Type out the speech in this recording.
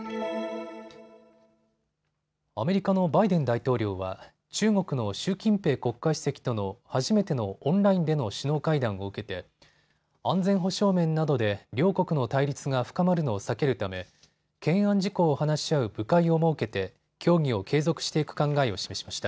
アメリカのバイデン大統領は中国の習近平国家主席との初めてのオンラインでの首脳会談を受けて安全保障面などで両国の対立が深まるのを避けるため懸案事項を話し合う部会を設けて協議を継続していく考えを示しました。